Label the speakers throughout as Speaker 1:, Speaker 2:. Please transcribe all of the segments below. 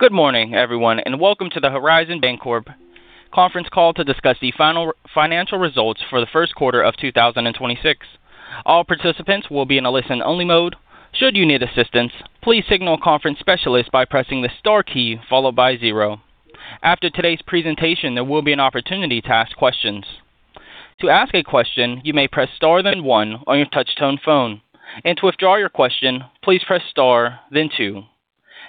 Speaker 1: Good morning everyone, and welcome to the Horizon Bancorp conference call to discuss the final financial results for the first quarter of 2026. All participants will be in a listen-only mode. Should you need assistance, please signal a conference specialist by pressing the star key followed by 0. After today's presentation, there will be an opportunity to ask questions. To ask a question, you may press star then one on your touch-tone phone. To withdraw your question, please press star then two.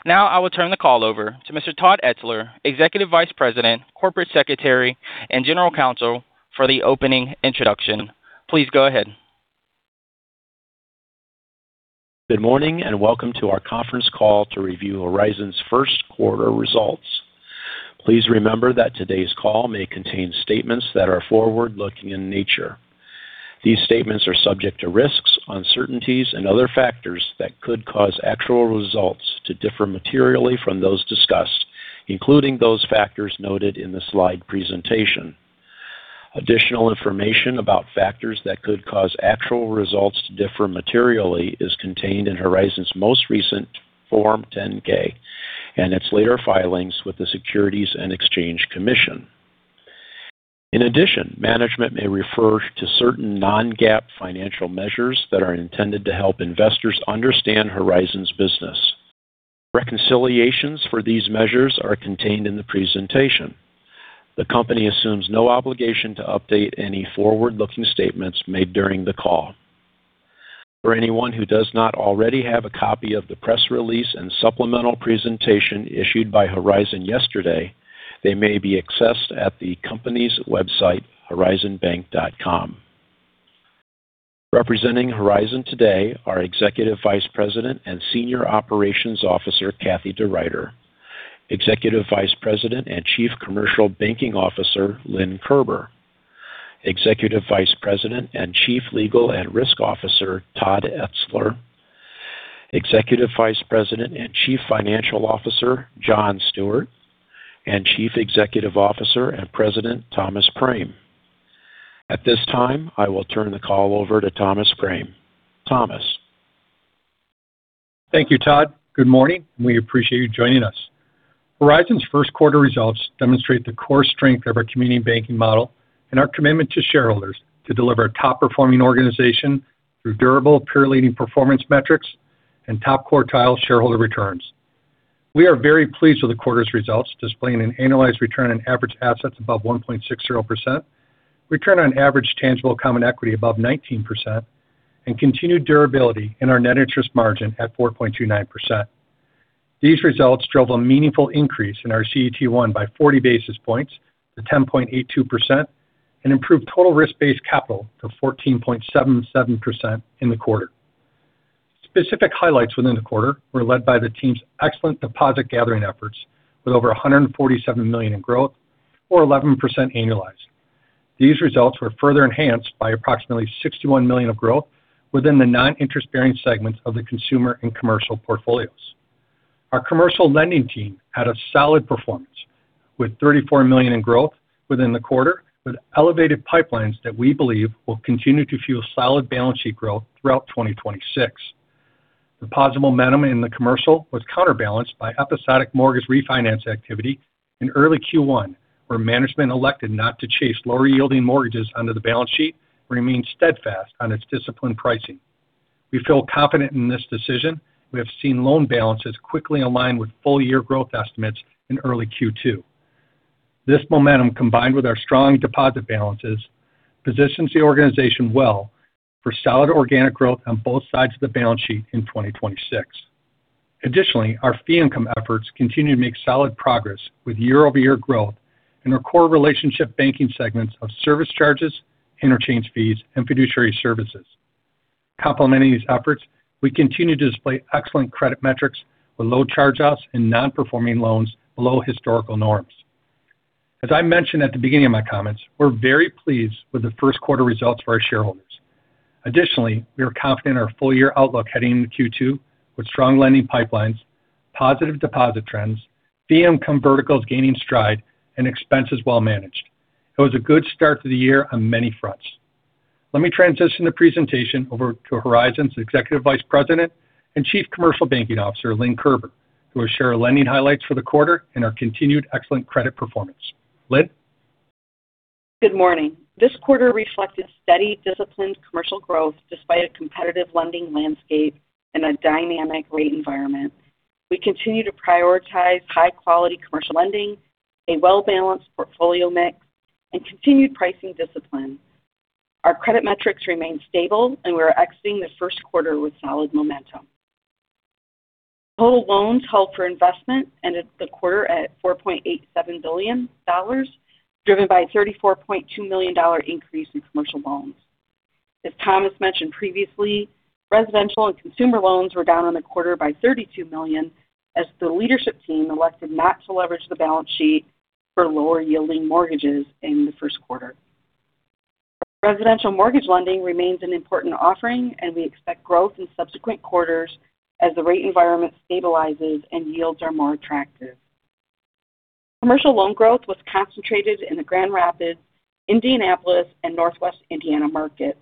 Speaker 1: Now I will turn the call over to Mr. Todd Etzler, Executive Vice President, Corporate Secretary, and General Counsel for the opening introduction. Please go ahead.
Speaker 2: Good morning and welcome to our conference call to review Horizon's first quarter results. Please remember that today's call may contain statements that are forward-looking in nature. These statements are subject to risks, uncertainties, and other factors that could cause actual results to differ materially from those discussed, including those factors noted in the slide presentation. Additional information about factors that could cause actual results to differ materially is contained in Horizon's most recent Form 10-K, and its later filings with the Securities and Exchange Commission. In addition, management may refer to certain non-GAAP financial measures that are intended to help investors understand Horizon's business. Reconciliations for these measures are contained in the presentation. The company assumes no obligation to update any forward-looking statements made during the call. For anyone who does not already have a copy of the press release and supplemental presentation issued by Horizon yesterday, they may be accessed at the company's website, horizonbank.com. Representing Horizon today are Executive Vice President and Senior Operations Officer Kathie A. DeRuiter, Executive Vice President and Chief Commercial Banking Officer Lynn Kerber, Executive Vice President and Chief Legal and Risk Officer Todd A. Etzler, Executive Vice President and Chief Financial Officer John R. Stewart, and Chief Executive Officer and President Thomas M. Prame. At this time, I will turn the call over to Thomas M. Prame. Thomas.
Speaker 3: Thank you, Todd. Good morning, and we appreciate you joining us. Horizon's first quarter results demonstrate the core strength of our community banking model and our commitment to shareholders to deliver a top-performing organization through durable peer-leading performance metrics and top-quartile shareholder returns. We are very pleased with the quarter's results, displaying an annualized return on average assets above 1.60%, return on average tangible common equity above 19%, and continued durability in our net interest margin at 4.29%. These results drove a meaningful increase in our CET1 by 40 basis points to 10.82% and improved total risk-based capital to 14.77% in the quarter. Specific highlights within the quarter were led by the team's excellent deposit gathering efforts with over $147 million in growth or 11% annualized. These results were further enhanced by approximately $61 million of growth within the non-interest-bearing segments of the consumer and commercial portfolios. Our commercial lending team had a solid performance with $34 million in growth within the quarter, with elevated pipelines that we believe will continue to fuel solid balance sheet growth throughout 2026. Deposit momentum in the commercial was counterbalanced by episodic mortgage refinance activity in early Q1 where management elected not to chase lower-yielding mortgages under the balance sheet, remaining steadfast on its disciplined pricing. We feel confident in this decision. We have seen loan balances quickly align with full-year growth estimates in early Q2. This momentum, combined with our strong deposit balances, positions the organization well for solid organic growth on both sides of the balance sheet in 2026. Additionally, our fee income efforts continue to make solid progress with year-over-year growth in our core relationship banking segments of service charges, interchange fees, and fiduciary services. Complementing these efforts, we continue to display excellent credit metrics with low charge-offs and non-performing loans below historical norms. As I mentioned at the beginning of my comments, we're very pleased with the first quarter results for our shareholders. Additionally, we are confident in our full-year outlook heading into Q2 with strong lending pipelines, positive deposit trends, fee income verticals gaining stride, and expenses well managed. It was a good start to the year on many fronts. Let me transition the presentation over to Horizon's Executive Vice President and Chief Commercial Banking Officer, Lynn Kerber, who will share our lending highlights for the quarter and our continued excellent credit performance. Lynn?
Speaker 4: Good morning. This quarter reflected steady, disciplined commercial growth despite a competitive lending landscape and a dynamic rate environment. We continue to prioritize high-quality commercial lending, a well-balanced portfolio mix, and continued pricing discipline. Our credit metrics remain stable, and we're exiting the first quarter with solid momentum. Total loans held for investment ended the quarter at $4.87 billion, driven by a $34.2 million increase in commercial loans. As Thomas mentioned previously, residential and consumer loans were down on the quarter by $32 million as the leadership team elected not to leverage the balance sheet for lower-yielding mortgages in the first quarter. Residential mortgage lending remains an important offering, and we expect growth in subsequent quarters as the rate environment stabilizes and yields are more attractive. Commercial loan growth was concentrated in the Grand Rapids, Indianapolis, and Northwest Indiana market.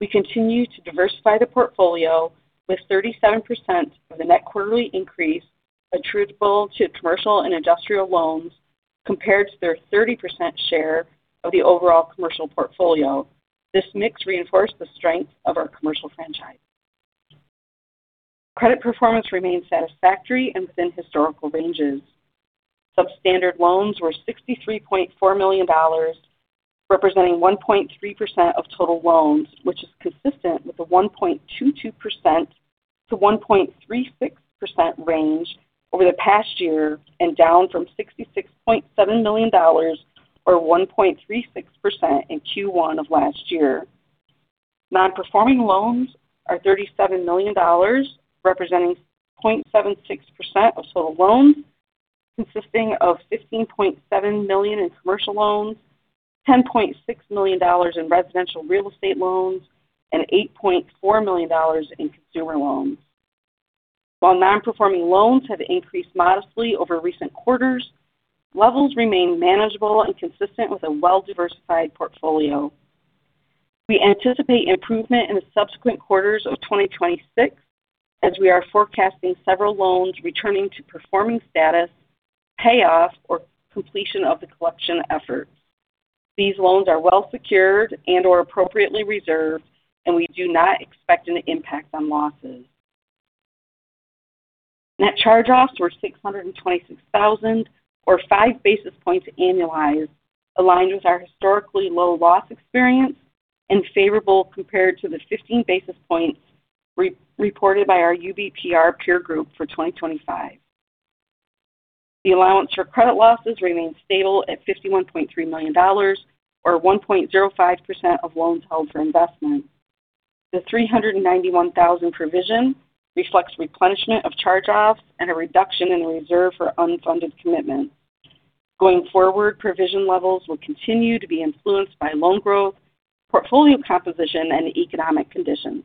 Speaker 4: We continue to diversify the portfolio, with 37% of the net quarterly increase attributable to commercial and industrial loans, compared to their 30% share of the overall commercial portfolio. This mix reinforced the strength of our commercial franchise. Credit performance remained satisfactory and within historical ranges. Substandard loans were $63.4 million, representing 1.3% of total loans, which is consistent with the 1.22%-1.36% range over the past year, and down from $66.7 million, or 1.36%, in Q1 of last year. Non-performing loans are $37 million, representing 0.76% of total loans, consisting of $15.7 million in commercial loans, $10.6 million in residential real estate loans, and $8.4 million in consumer loans. While non-performing loans have increased modestly over recent quarters, levels remain manageable and consistent with a well-diversified portfolio. We anticipate improvement in the subsequent quarters of 2026 as we are forecasting several loans returning to performing status, payoff, or completion of the collection efforts. These loans are well secured and/or appropriately reserved, and we do not expect an impact on losses. Net charge-offs were $626,000, or five basis points annualized, aligned with our historically low loss experience and favorable compared to the 15 basis points reported by our UBPR peer group for 2025. The allowance for credit losses remained stable at $51.3 million, or 1.05% of loans held for investment. The $391,000 provision reflects replenishment of charge-offs and a reduction in reserve for unfunded commitments. Going forward, provision levels will continue to be influenced by loan growth, portfolio composition, and economic conditions.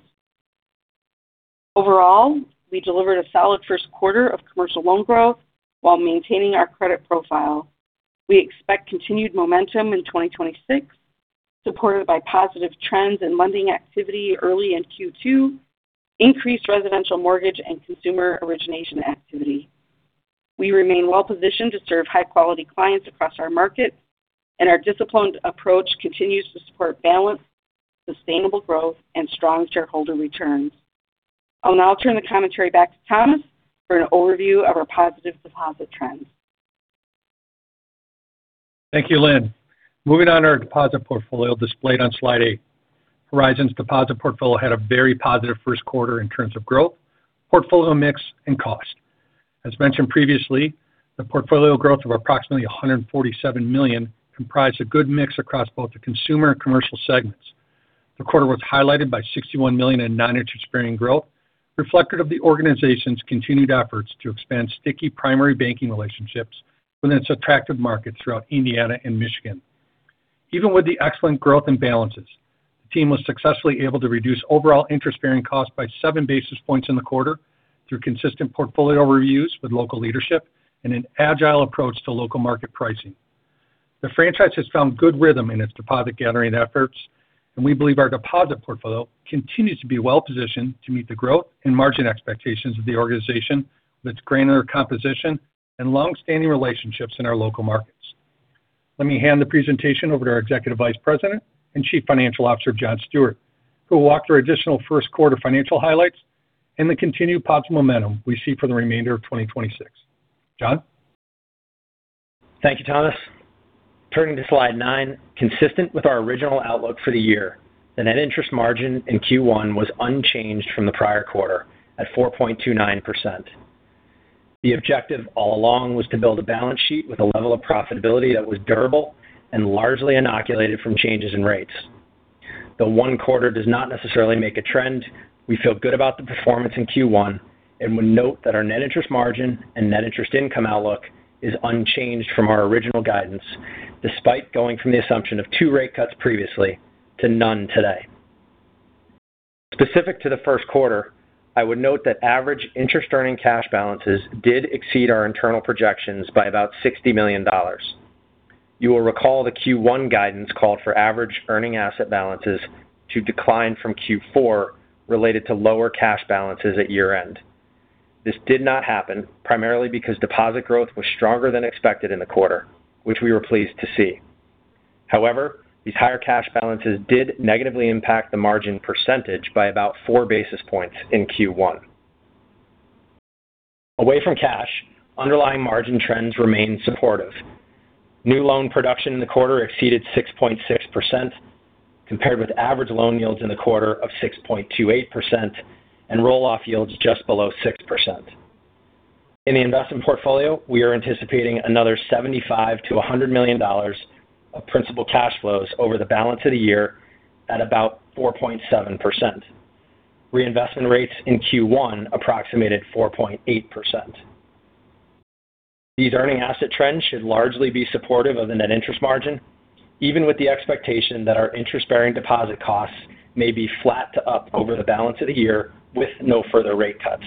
Speaker 4: Overall, we delivered a solid first quarter of commercial loan growth while maintaining our credit profile. We expect continued momentum in 2026, supported by positive trends in lending activity early in Q2, increased residential mortgage, and consumer origination activity. We remain well positioned to serve high-quality clients across our markets, and our disciplined approach continues to support balanced, sustainable growth and strong shareholder returns. I'll now turn the commentary back to Thomas for an overview of our positive deposit trends.
Speaker 3: Thank you, Lynn. Moving on to our deposit portfolio displayed on slide eight. Horizon's deposit portfolio had a very positive first quarter in terms of growth, portfolio mix, and cost. As mentioned previously, the portfolio growth of approximately $147 million comprised a good mix across both the consumer and commercial segments. The quarter was highlighted by $61 million in non-interest-bearing growth, reflective of the organization's continued efforts to expand sticky primary banking relationships within its attractive markets throughout Indiana and Michigan. Even with the excellent growth and balances, the team was successfully able to reduce overall interest-bearing costs by seven basis points in the quarter through consistent portfolio reviews with local leadership and an agile approach to local market pricing. The franchise has found good rhythm in its deposit gathering efforts, and we believe our deposit portfolio continues to be well positioned to meet the growth and margin expectations of the organization with its granular composition and long-standing relationships in our local markets. Let me hand the presentation over to our Executive Vice President and Chief Financial Officer, John R. Stewart, who will walk through additional first quarter financial highlights and the continued positive momentum we see for the remainder of 2026. John?
Speaker 5: Thank you, Thomas. Turning to slide nine. Consistent with our original outlook for the year, the net interest margin in Q1 was unchanged from the prior quarter at 4.29%. The objective all along was to build a balance sheet with a level of profitability that was durable and largely inoculated from changes in rates. Though one quarter does not necessarily make a trend, we feel good about the performance in Q1 and would note that our net interest margin and net interest income outlook is unchanged from our original guidance, despite going from the assumption of two rate cuts previously to none today. Specific to the first quarter, I would note that average interest earning cash balances did exceed our internal projections by about $60 million. You will recall the Q1 guidance called for average earning asset balances to decline from Q4 related to lower cash balances at year-end. This did not happen primarily because deposit growth was stronger than expected in the quarter, which we were pleased to see. However, these higher cash balances did negatively impact the margin percentage by about four basis points in Q1. Away from cash, underlying margin trends remained supportive. New loan production in the quarter exceeded 6.6%, compared with average loan yields in the quarter of 6.28%, and roll-off yields just below 6%. In the investment portfolio, we are anticipating another $75-$100 million of principal cash flows over the balance of the year at about 4.7%. Reinvestment rates in Q1 approximated 4.8%. These earning asset trends should largely be supportive of the net interest margin. Even with the expectation that our interest-bearing deposit costs may be flat to up over the balance of the year with no further rate cuts.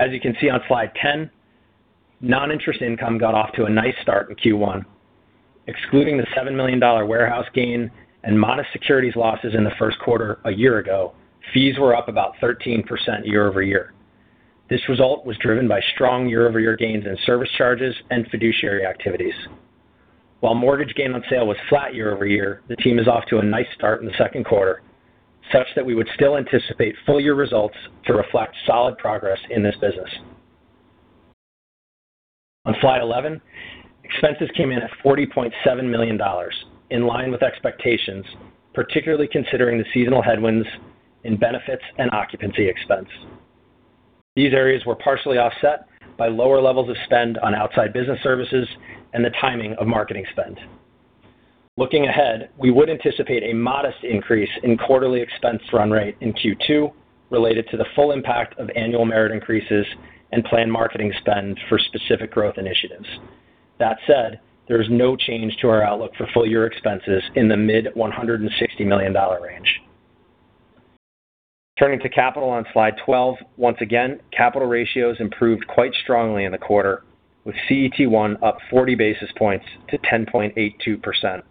Speaker 5: As you can see on slide 10, non-interest income got off to a nice start in Q1. Excluding the $7 million warehouse gain and modest securities losses in the first quarter a year ago, fees were up about 13% year-over-year. This result was driven by strong year-over-year gains in service charges and fiduciary activities. While mortgage gain on sale was flat year-over-year, the team is off to a nice start in the second quarter, such that we would still anticipate full year results to reflect solid progress in this business. On slide 11, expenses came in at $40.7 million, in line with expectations, particularly considering the seasonal headwinds in benefits and occupancy expense. These areas were partially offset by lower levels of spend on outside business services and the timing of marketing spend. Looking ahead, we would anticipate a modest increase in quarterly expense run rate in Q2 related to the full impact of annual merit increases and planned marketing spend for specific growth initiatives. That said, there is no change to our outlook for full year expenses in the mid $160 million range. Turning to capital on slide 12. Once again, capital ratios improved quite strongly in the quarter, with CET1 up 40 basis points to 10.82%.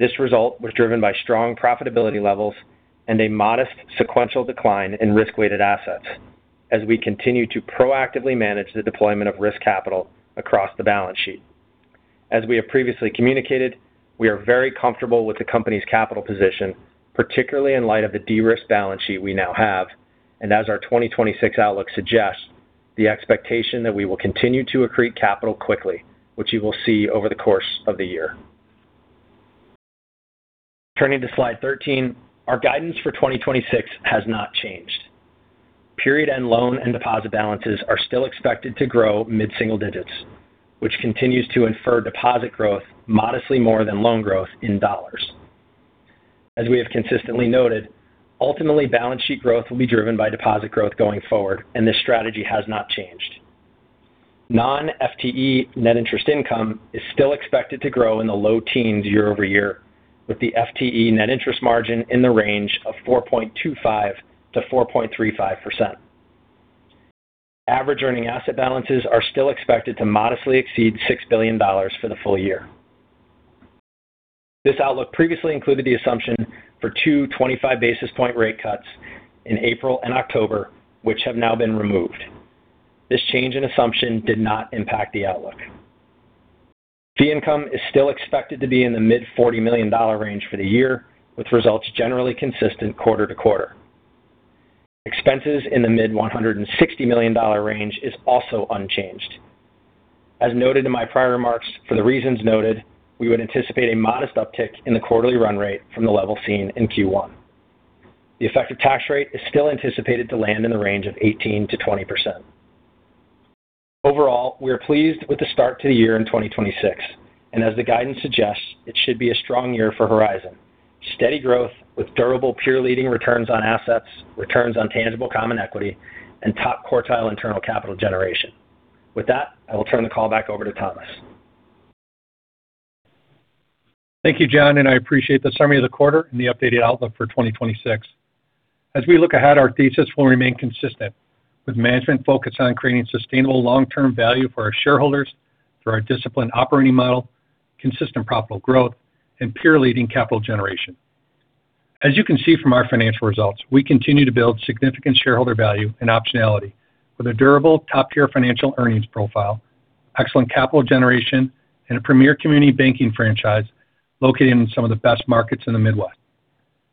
Speaker 5: This result was driven by strong profitability levels and a modest sequential decline in risk-weighted assets as we continue to proactively manage the deployment of risk capital across the balance sheet. As we have previously communicated, we are very comfortable with the company's capital position, particularly in light of the de-risk balance sheet we now have, and as our 2026 outlook suggests, the expectation that we will continue to accrete capital quickly, which you will see over the course of the year. Turning to Slide 13. Our guidance for 2026 has not changed. Period-end loan and deposit balances are still expected to grow mid-single digits, which continues to infer deposit growth modestly more than loan growth in dollars. As we have consistently noted, ultimately, balance sheet growth will be driven by deposit growth going forward, and this strategy has not changed. Net interest income is still expected to grow in the low teens year-over-year, with the FTE net interest margin in the range of 4.25%-4.35%. Average earning asset balances are still expected to modestly exceed $6 billion for the full year. This outlook previously included the assumption for 225 basis point rate cuts in April and October, which have now been removed. This change in assumption did not impact the outlook. Fee income is still expected to be in the mid-$40 million range for the year, with results generally consistent quarter to quarter. Expenses in the mid-$160 million range is also unchanged. As noted in my prior remarks, for the reasons noted, we would anticipate a modest uptick in the quarterly run rate from the level seen in Q1. The effective tax rate is still anticipated to land in the range of 18%-20%. Overall, we are pleased with the start to the year in 2026, and as the guidance suggests, it should be a strong year for Horizon. Steady growth with durable peer-leading returns on assets, returns on tangible common equity, and top quartile internal capital generation. With that, I will turn the call back over to Thomas.
Speaker 3: Thank you, John, and I appreciate the summary of the quarter and the updated outlook for 2026. As we look ahead, our thesis will remain consistent with management focused on creating sustainable long-term value for our shareholders through our disciplined operating model, consistent profitable growth and peer-leading capital generation. As you can see from our financial results, we continue to build significant shareholder value and optionality with a durable top-tier financial earnings profile, excellent capital generation and a premier community banking franchise located in some of the best markets in the Midwest.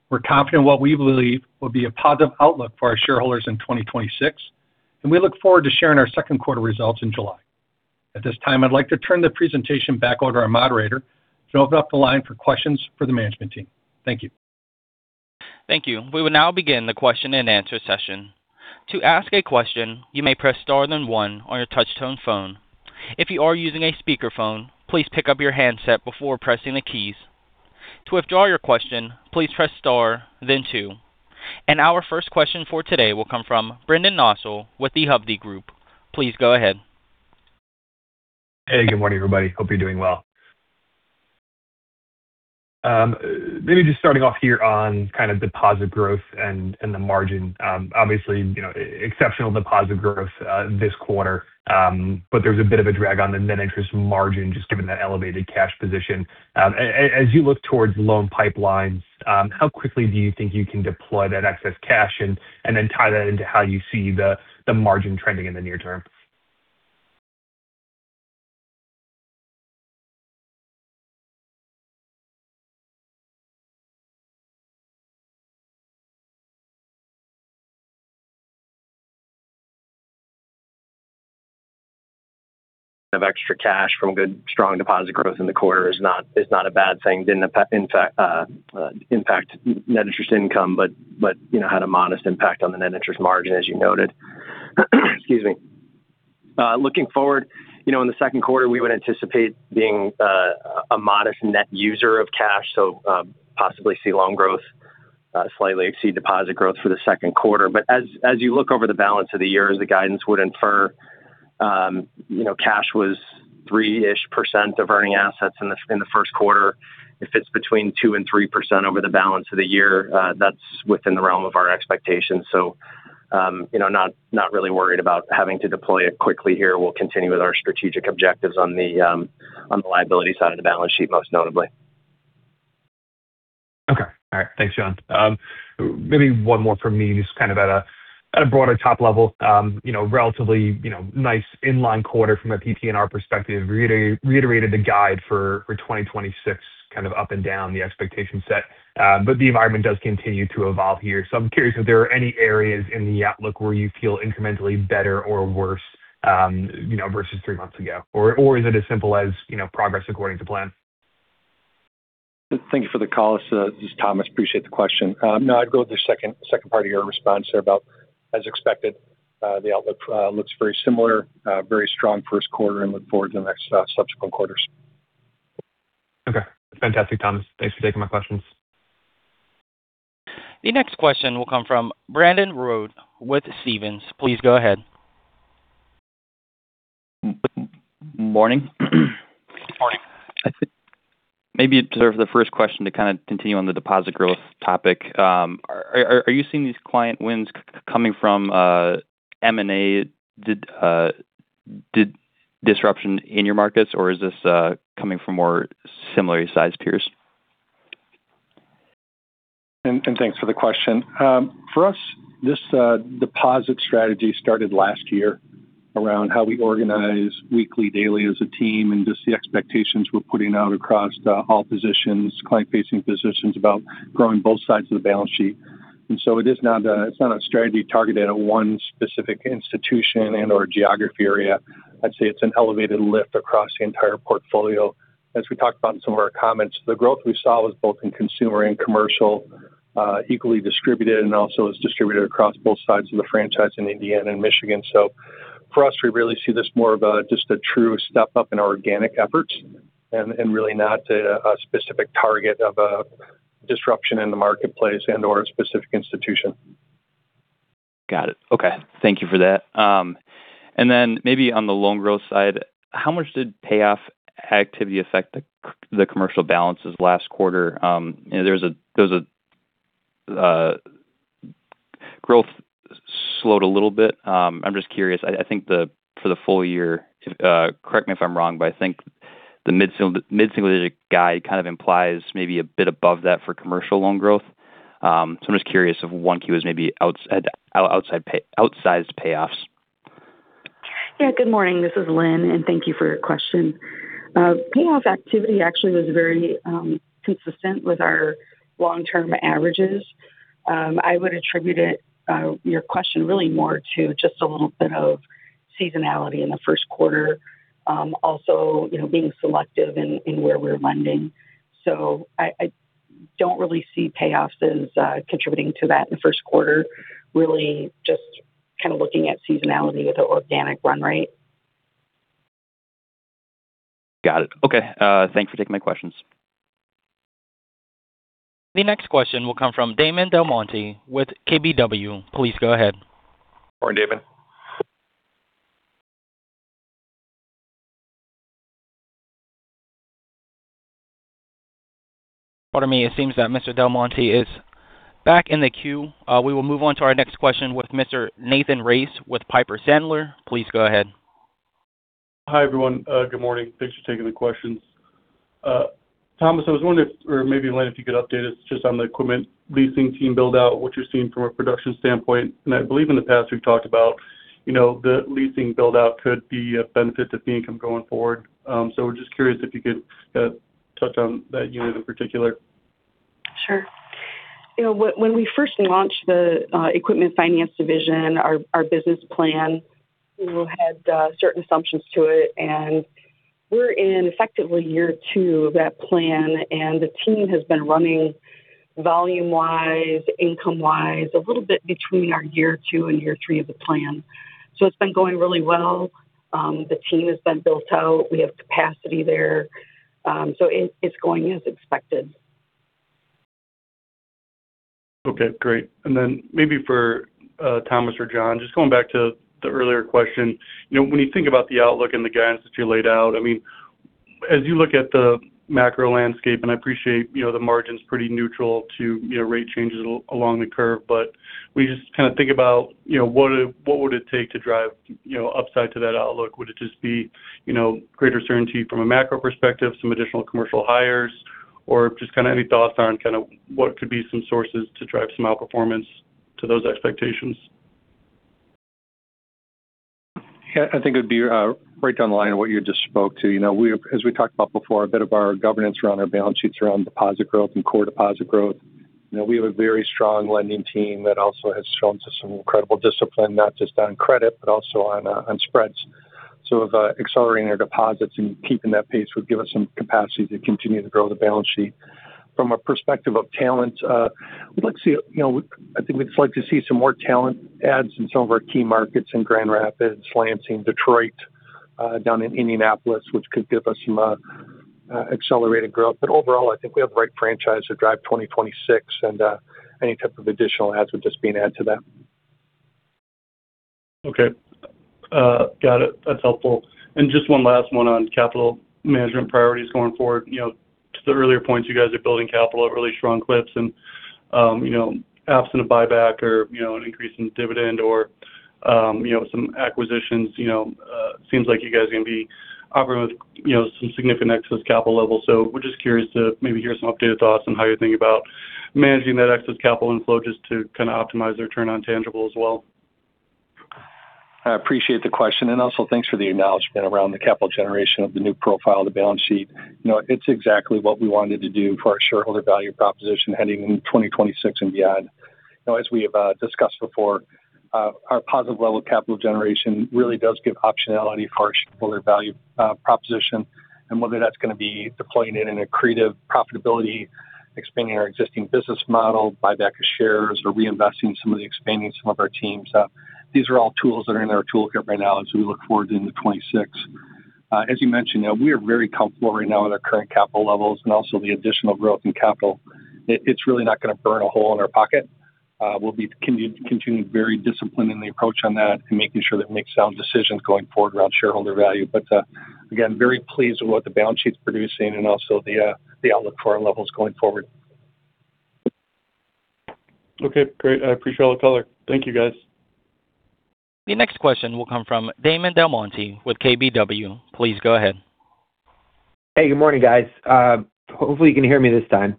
Speaker 3: We're confident in what we believe will be a positive outlook for our shareholders in 2026, and we look forward to sharing our second quarter results in July. At this time, I'd like to turn the presentation back over to our moderator to open up the line for questions for the management team. Thank you.
Speaker 1: Thank you. We will now begin the question and answer session. To ask a question, you may press star then one on your touch-tone phone. If you are using a speakerphone, please pick up your handset before pressing the keys. To withdraw your question, please press star then two. Our first question for today will come from Brendan Nosal with the Hovde Group. Please go ahead.
Speaker 6: Hey, good morning, everybody. Hope you're doing well. Maybe just starting off here on deposit growth and the margin. Obviously, exceptional deposit growth this quarter, but there's a bit of a drag on the net interest margin just given that elevated cash position. As you look towards loan pipelines, how quickly do you think you can deploy that excess cash and then tie that into how you see the margin trending in the near term?
Speaker 5: Having extra cash from good, strong deposit growth in the quarter is not a bad thing. Didn't impact net interest income, but had a modest impact on the net interest margin as you noted. Excuse me. Looking forward, in the second quarter, we would anticipate being a modest net user of cash, so possibly see loan growth. Slightly exceed deposit growth for the second quarter. As you look over the balance of the year, as the guidance would infer, cash was 3-ish% of earning assets in the first quarter. If it's between 2% and 3% over the balance of the year, that's within the realm of our expectations. Not really worried about having to deploy it quickly here. We'll continue with our strategic objectives on the liability side of the balance sheet, most notably.
Speaker 6: Okay. All right. Thanks, John. Maybe one more from me, just at a broader top level. Relatively nice in line quarter from a PPNR perspective. Reiterated the guide for 2026, up and down the expectation set. But the environment does continue to evolve here. So I'm curious if there are any areas in the outlook where you feel incrementally better or worse, versus three months ago? Is it as simple as progress according to plan?
Speaker 3: Thank you for the call. This is Thomas. Appreciate the question. No, I'd go with the second part of your response there about as expected. The outlook looks very similar. Very strong first quarter and look forward to the next subsequent quarters.
Speaker 6: Okay. Fantastic, Thomas. Thanks for taking my questions.
Speaker 1: The next question will come from Brendan Rohan with Stephens. Please go ahead.
Speaker 7: Morning.
Speaker 3: Morning.
Speaker 7: I think maybe it deserves the first question to continue on the deposit growth topic. Are you seeing these client wins coming from M&A, from disruption in your markets, or is this coming from more similarly sized peers?
Speaker 3: Thanks for the question. For us, this deposit strategy started last year around how we organize weekly, daily as a team, and just the expectations we're putting out across all positions, client-facing positions about growing both sides of the balance sheet. It's not a strategy targeted at one specific institution and/or geography area. I'd say it's an elevated lift across the entire portfolio. As we talked about in some of our comments, the growth we saw was both in consumer and commercial, equally distributed, and also is distributed across both sides of the franchise in Indiana and Michigan. For us, we really see this more of just a true step up in our organic efforts and really not a specific target of a disruption in the marketplace and/or a specific institution.
Speaker 7: Got it. Okay. Thank you for that. Maybe on the loan growth side, how much did payoff activity affect the commercial balances last quarter? Growth slowed a little bit. I'm just curious, I think for the full year, correct me if I'm wrong, but I think the mid-single digit guide implies maybe a bit above that for commercial loan growth. I'm just curious if 1Q was maybe outsized payoffs.
Speaker 4: Yeah. Good morning. This is Lynn, and thank you for your question. Payoffs activity actually was very consistent with our long-term averages. I would attribute it, your question really more to just a little bit of seasonality in the first quarter, also being selective in where we're lending. I don't really see payoffs as contributing to that in the first quarter. Really just looking at seasonality with the organic run rate.
Speaker 7: Got it. Okay. Thanks for taking my questions.
Speaker 1: The next question will come from Damon DelMonte with KBW. Please go ahead.
Speaker 3: Morning, Damon.
Speaker 1: Pardon me. It seems that Mr. DelMonte is back in the queue. We will move on to our next question with Mr. Nathan Race with Piper Sandler. Please go ahead.
Speaker 8: Hi, everyone. Good morning. Thanks for taking the questions. Thomas, I was wondering if, or maybe Lynn, if you could update us just on the equipment leasing team build-out, what you're seeing from a production standpoint. I believe in the past we've talked about the leasing build-out could be a benefit to fee income going forward. We're just curious if you could touch on that unit in particular.
Speaker 4: Sure. When we first launched the equipment finance division, our business plan had certain assumptions to it. We're in effectively year two of that plan. The team has been running volume-wise, income-wise, a little bit between our year two and year three of the plan. It's been going really well. The team has been built out. We have capacity there. It's going as expected.
Speaker 8: Okay, great. Maybe for Thomas or John, just going back to the earlier question when you think about the outlook and the guidance that you laid out. As you look at the macro landscape, and I appreciate the margin's pretty neutral to rate changes along the curve, but we just think about what would it take to drive upside to that outlook? Would it just be greater certainty from a macro perspective, some additional commercial hires? Or just any thoughts on what could be some sources to drive some outperformance to those expectations?
Speaker 3: Yeah, I think it'd be right down the line of what you just spoke to. As we talked about before, a bit of our governance around our balance sheets around deposit growth and core deposit growth. We have a very strong lending team that also has shown some incredible discipline, not just on credit but also on spreads. If accelerating our deposits and keeping that pace would give us some capacity to continue to grow the balance sheet. From a perspective of talent, I think we'd like to see some more talent adds in some of our key markets in Grand Rapids, Lansing, Detroit, down in Indianapolis, which could give us some accelerated growth. Overall, I think we have the right franchise to drive 2026, and any type of additional adds would just be an add to that.
Speaker 8: Okay. Got it. That's helpful. Just one last one on capital management priorities going forward. To the earlier points, you guys are building capital at really strong clips and, absent a buyback or an increase in dividend or some acquisitions, seems like you guys are going to be operating with some significant excess capital levels. We're just curious to maybe hear some updated thoughts on how you're thinking about managing that excess capital inflows just to kind of optimize the return on tangible as well.
Speaker 3: I appreciate the question, and also thanks for the acknowledgement around the capital generation of the new profile of the balance sheet. It's exactly what we wanted to do for our shareholder value proposition heading into 2026 and beyond. Now, as we have discussed before, our positive level of capital generation really does give optionality for our shareholder value proposition and whether that's going to be deploying it in accretive profitability, expanding our existing business model, buyback of shares or reinvesting in expanding some of our teams. These are all tools that are in our toolkit right now as we look forward into 2026. As you mentioned, we are very comfortable right now with our current capital levels and also the additional growth in capital. It's really not going to burn a hole in our pocket. We'll be continuing to be very disciplined in the approach on that and making sure that we make sound decisions going forward around shareholder value. Again, very pleased with what the balance sheet's producing and also the outlook for our levels going forward.
Speaker 8: Okay, great. I appreciate all the color. Thank you, guys.
Speaker 1: The next question will come from Damon DelMonte with KBW. Please go ahead
Speaker 9: Hey, good morning, guys. Hopefully, you can hear me this time.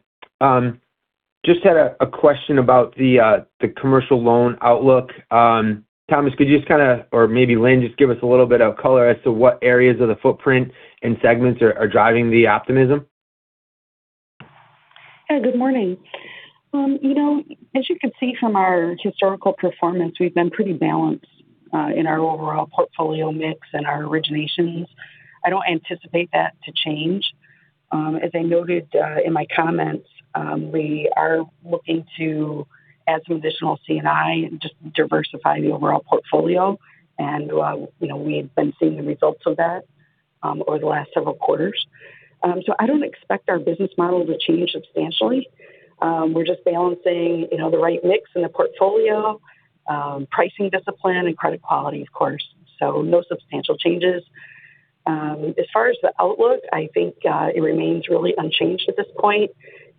Speaker 9: Just had a question about the commercial loan outlook. Thomas, could you just kind of, or maybe Lynn, just give us a little bit of color as to what areas of the footprint and segments are driving the optimism?
Speaker 4: Hey, good morning. As you can see from our historical performance, we've been pretty balanced in our overall portfolio mix and our originations. I don't anticipate that to change. As I noted in my comments, we are looking to add some additional C&I and just diversify the overall portfolio. We've been seeing the results of that over the last several quarters. I don't expect our business model to change substantially. We're just balancing the right mix in the portfolio, pricing discipline and credit quality, of course. No substantial changes. As far as the outlook, I think it remains really unchanged at this point.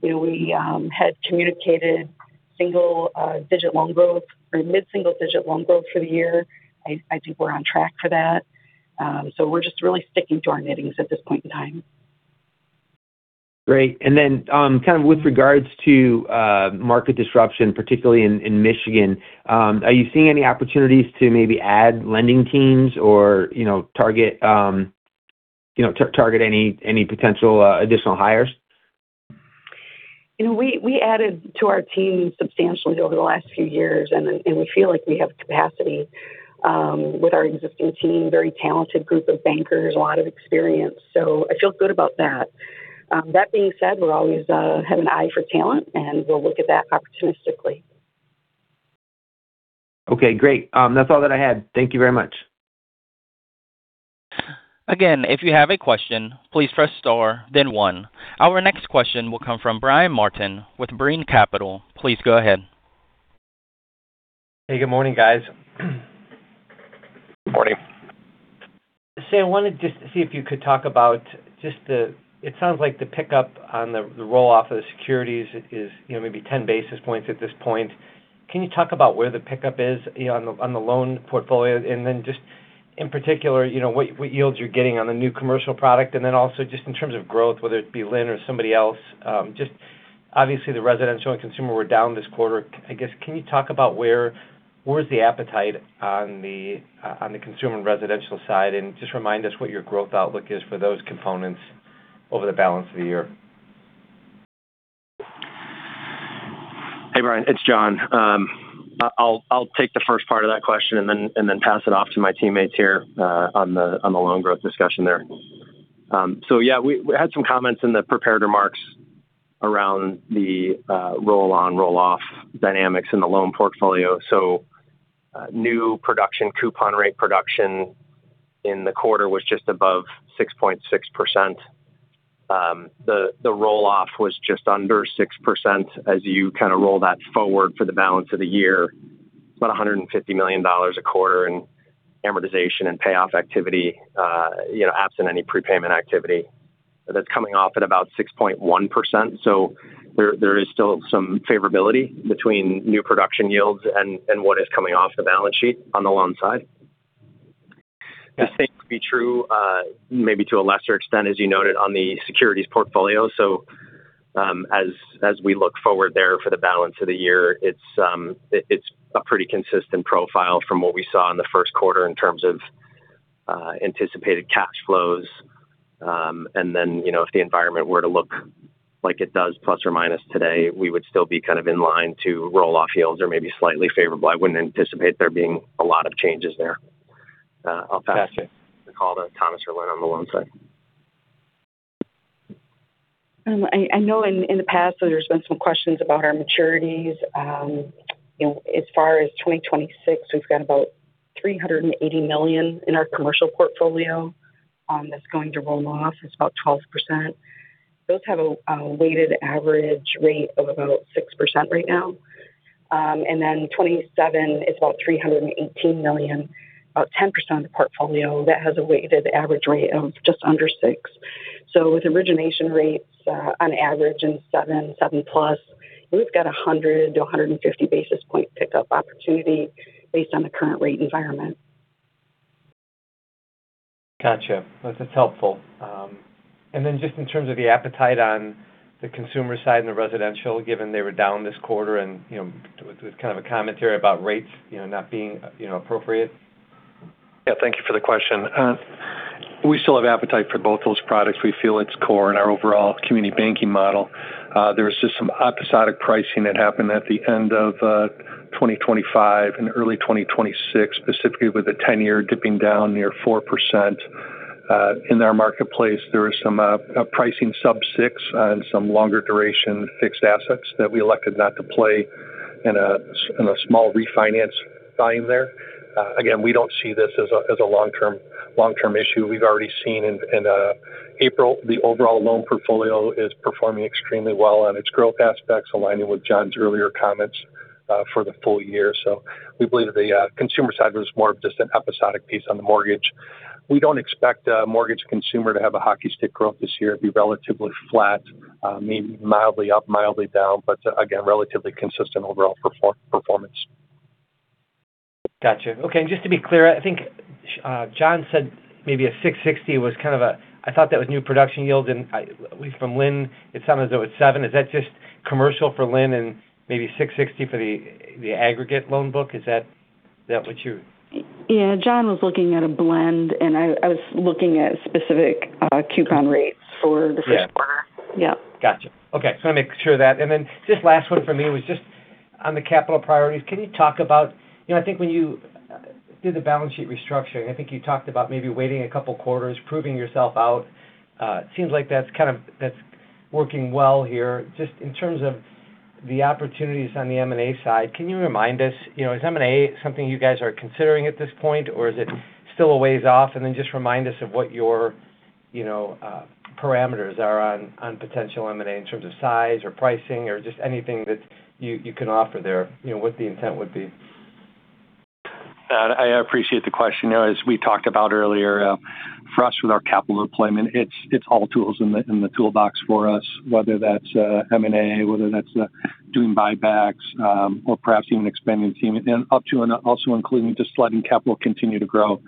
Speaker 4: We had communicated single-digit loan growth or mid-single-digit loan growth for the year. I think we're on track for that. We're just really sticking to our knittings at this point in time.
Speaker 9: Great. Kind of with regards to market disruption, particularly in Michigan, are you seeing any opportunities to maybe add lending teams or target any potential additional hires?
Speaker 4: We added to our team substantially over the last few years, and we feel like we have capacity with our existing team, very talented group of bankers, a lot of experience. I feel good about that. That being said, we always have an eye for talent, and we'll look at that opportunistically.
Speaker 9: Okay, great. That's all that I had. Thank you very much.
Speaker 1: Again, if you have a question, please press star then one. Our next question will come from Brian Martin with Brean Capital LLC. Please go ahead.
Speaker 10: Hey, good morning, guys.
Speaker 3: Good morning.
Speaker 10: John, I wanted just to see if you could talk about just the pickup on the roll-off of the securities. It sounds like the pickup on the roll-off of the securities is maybe 10 basis points at this point. Can you talk about where the pickup is on the loan portfolio? Then just in particular, what yields you're getting on the new commercial product, and then also just in terms of growth, whether it be Lynn or somebody else. Just obviously the residential and consumer were down this quarter. I guess, can you talk about where's the appetite on the consumer and residential side? Just remind us what your growth outlook is for those components over the balance of the year.
Speaker 5: Hey, Brian, it's John. I'll take the first part of that question and then pass it off to my teammates here on the loan growth discussion there. Yeah, we had some comments in the prepared remarks around the roll-on, roll-off dynamics in the loan portfolio. New production, coupon rate production in the quarter was just above 6.6%. The roll-off was just under 6% as you kind of roll that forward for the balance of the year. It's about $150 million a quarter in amortization and payoff activity. Absent any prepayment activity, that's coming off at about 6.1%. There is still some favorability between new production yields and what is coming off the balance sheet on the loan side. The same could be true, maybe to a lesser extent, as you noted on the securities portfolio. As we look forward there for the balance of the year, it's a pretty consistent profile from what we saw in the first quarter in terms of anticipated cash flows. Then, if the environment were to look like it does plus or minus today, we would still be kind of in line to roll off yields or maybe slightly favorable. I wouldn't anticipate there being a lot of changes there.
Speaker 10: Got you.
Speaker 5: I'll pass the call to Thomas or Lynn on the loan side.
Speaker 4: I know in the past there's been some questions about our maturities. As far as 2026, we've got about $380 million in our commercial portfolio that's going to roll off. It's about 12%. Those have a weighted average rate of about 6% right now. And then 2027 is about $318 million, about 10% of the portfolio. That has a weighted average rate of just under 6%. With origination rates on average in 7+, we've got 100-150 basis point pickup opportunity based on the current rate environment.
Speaker 10: Got you. That's helpful. Then just in terms of the appetite on the consumer side and the residential, given they were down this quarter and with kind of a commentary about rates not being appropriate.
Speaker 3: Yeah, thank you for the question. We still have appetite for both those products. We feel it's core in our overall community banking model. There was just some episodic pricing that happened at the end of 2025 and early 2026, specifically with the 10-year dipping down near 4%. In their marketplace, there was some pricing sub-6% on some longer duration fixed assets that we elected not to play in a small refinance volume there. Again, we don't see this as a long-term issue. We've already seen in April, the overall loan portfolio is performing extremely well on its growth aspects, aligning with John's earlier comments for the full year. We believe the consumer side was more of just an episodic piece on the mortgage. We don't expect mortgage consumer to have a hockey stick growth this year. It'd be relatively flat, maybe mildly up, mildly down, but again, relatively consistent overall performance.
Speaker 10: Got you. Okay. Just to be clear, I think John said maybe a 660 was kind of a, I thought that was new production yield, and at least from Lynn, it sounded as though it's seven. Is that just commercial for Lynn and maybe 660 for the aggregate loan book? Is that what you-
Speaker 4: Yeah, John was looking at a blend, and I was looking at specific coupon rates for the first quarter.
Speaker 10: Yeah.
Speaker 4: Yep.
Speaker 10: Got you. Okay. Just want to make sure of that. Just last one from me was just on the capital priorities. Can you talk about, I think when you did the balance sheet restructuring, I think you talked about maybe waiting a couple quarters, proving yourself out? It seems like that's working well here. Just in terms of the opportunities on the M&A side, can you remind us, is M&A something you guys are considering at this point, or is it still a ways off? Just remind us of what your parameters are on potential M&A in terms of size or pricing or just anything that you can offer there, what the intent would be.
Speaker 3: I appreciate the question. As we talked about earlier, for us with our capital deployment, it's all tools in the toolbox for us, whether that's M&A, whether that's doing buybacks, or perhaps even expanding team and up to and also including just letting capital continue to grow.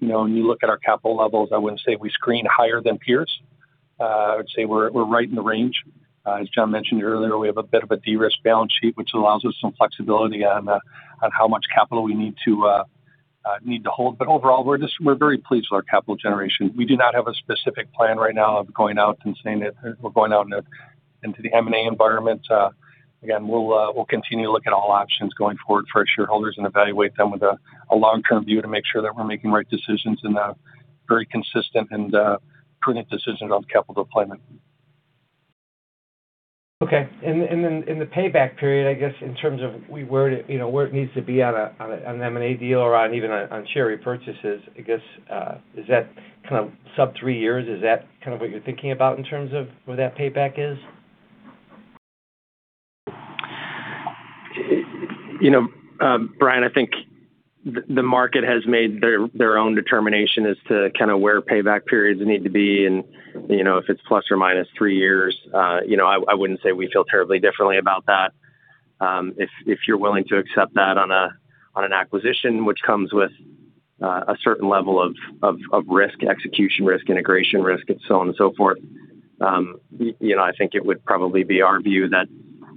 Speaker 3: When you look at our capital levels, I wouldn't say we screen higher than peers. I would say we're right in the range. As John mentioned earlier, we have a bit of a de-risk balance sheet, which allows us some flexibility on how much capital we need to hold. Overall, we're very pleased with our capital generation. We do not have a specific plan right now of going out and saying that we're going out into the M&A environment. Again, we'll continue to look at all options going forward for our shareholders and evaluate them with a long-term view to make sure that we're making right decisions and very consistent and prudent decisions on capital deployment.
Speaker 10: Okay. In the payback period, I guess in terms of where it needs to be on an M&A deal or even on share repurchases, I guess is that kind of sub three years? Is that kind of what you're thinking about in terms of where that payback is?
Speaker 5: Brian, I think the market has made their own determination as to kind of where payback periods need to be and if it's plus or minus three years. I wouldn't say we feel terribly differently about that. If you're willing to accept that on an acquisition, which comes with a certain level of risk, execution risk, integration risk, and so on and so forth, I think it would probably be our view that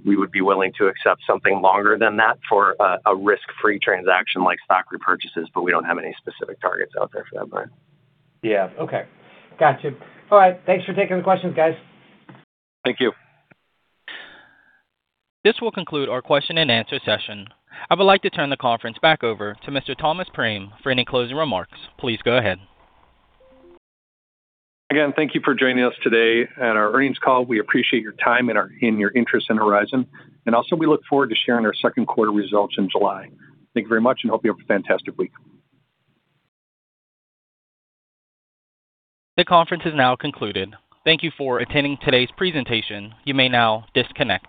Speaker 5: we would be willing to accept something longer than that for a risk-free transaction like stock repurchases, but we don't have any specific targets out there for that, Brian.
Speaker 10: Yeah. Okay. Got you. All right. Thanks for taking the questions, guys.
Speaker 3: Thank you.
Speaker 1: This will conclude our question and answer session. I would like to turn the conference back over to Mr. Thomas Prame for any closing remarks. Please go ahead.
Speaker 3: Again, thank you for joining us today at our earnings call. We appreciate your time and your interest in Horizon. Also, we look forward to sharing our second quarter results in July. Thank you very much, and hope you have a fantastic week.
Speaker 1: The conference is now concluded. Thank you for attending today's presentation. You may now disconnect.